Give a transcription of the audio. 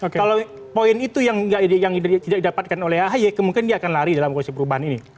kalau poin itu yang tidak didapatkan oleh ahy kemungkinan dia akan lari dalam koalisi perubahan ini